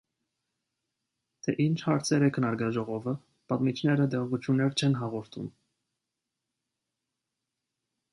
Թե ինչ հարցեր է քննարկել ժողովը, պատմիչները տեղեկություններ չեն հաղորդում։